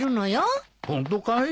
ホントかい？